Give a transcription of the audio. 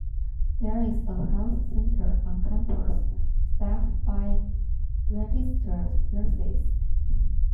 There is a Health Center on campus, staffed by registered nurses.